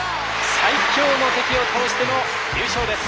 最強の敵を倒しての優勝です。